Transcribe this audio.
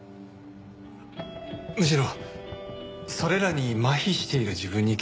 むしろそれらに麻痺している自分に気づいたんです。